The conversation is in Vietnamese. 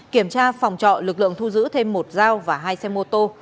kiểm tra phòng trọ lực lượng thu giữ thêm một dao và hai xe mô tô